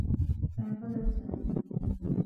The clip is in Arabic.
سينتظر سامي.